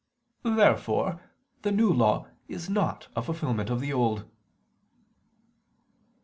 Therefore the New Law is not a fulfilment of the Old.